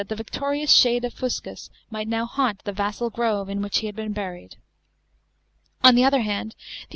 e " victorious, shade" of Fuscus might now haunt the " vassal grove" in which he had been buried.f On the other hand, the K.